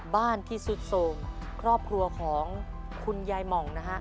บ้านที่สุดโสมครอบครัวของคุณยายหม่องนะฮะ